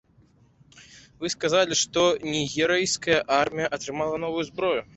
Вы сказалі, што нігерыйская армія атрымала новую зброю.